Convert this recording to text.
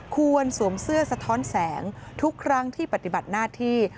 ควรสวมเสื้อสะท้อนแสงทุกครั้งที่ปฏิบัติหน้าที่